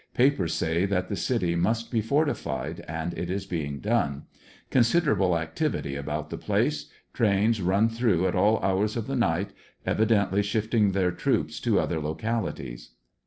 Papers say that the city must be fortified, and it is being done. Considerable activity about the place. Trains run ^through at all hours of the 108 ANDEB80NVILLE DIABY. night, evidently shifting their troops to other localities.